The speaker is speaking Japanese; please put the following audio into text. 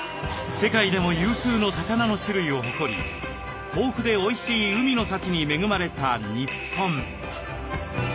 世界でも有数の魚の種類を誇り豊富でおいしい海の幸に恵まれた日本。